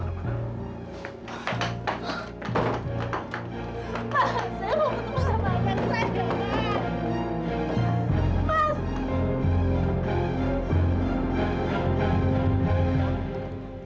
mas saya mau ketemu sama dia mas